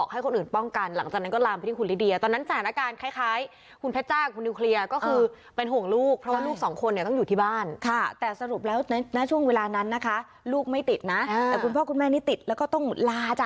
ทั้งคุณแมททิวดีนและคุณลิเดียซารันรัช